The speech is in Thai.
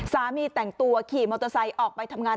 สามีแต่งตัวขี่มอเตอร์ไซค์ออกไปทำงาน